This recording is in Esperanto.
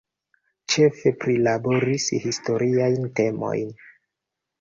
Ĉefe prilaboris historiajn temojn.